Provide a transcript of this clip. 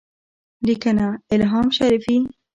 -لیکنه: الهام شریفي